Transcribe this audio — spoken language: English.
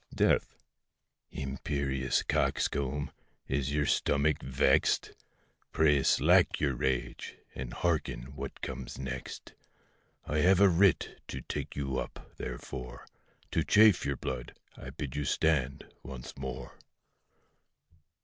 DEATH. Imperious coxcomb! is your stomach vexed? Pray slack your rage, and hearken what comes next: I have a writ to take you up; therefore, To chafe your blood, I bid you stand, once more.